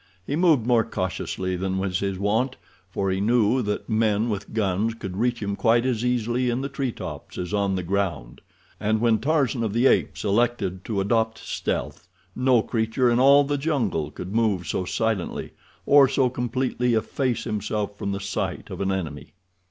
He moved more cautiously than was his wont, for he knew that men with guns could reach him quite as easily in the treetops as on the ground. And when Tarzan of the Apes elected to adopt stealth, no creature in all the jungle could move so silently or so completely efface himself from the sight of an enemy.